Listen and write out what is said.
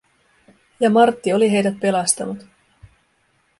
Ja Martti oli heidät pelastanut.